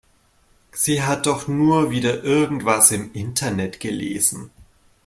Sie hat doch nur wieder irgendwas im Internet gelesen.